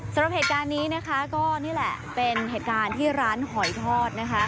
สำหรับเหตุการณ์นี้นะคะก็นี่แหละเป็นเหตุการณ์ที่ร้านหอยทอดนะคะ